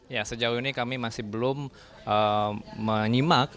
ya sejauh ini kami masih belum menyimak